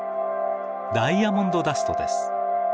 ダイヤモンドダストです。